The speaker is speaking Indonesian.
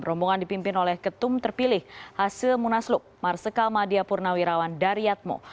rombongan dipimpin oleh ketum terpilih hase munaslub marsikal madiapurna wirawan daryatmo